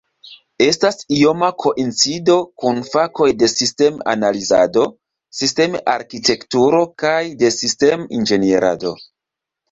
Estas ioma koincido kun fakoj de sistem-analizado, sistem-arkitekturo kaj de sistem-inĝenierado.